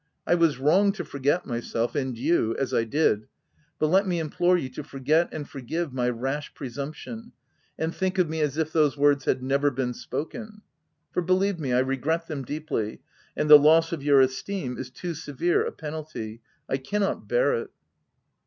I was wrong, to forget myself— and you, as I did ; but let me implore you to forget and forgive my rash presumption, and think of me as if those words had never been spoken ; for, believe me, I regret them deeply, and the loss of your esteem is too severe a penalty — I cannot bear it."